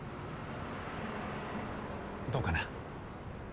どうかな？